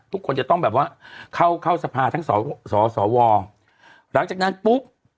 ทุกคนจะต้องแบบว่าเข้าเข้าสภาทั้งสสวหลังจากนั้นปุ๊บ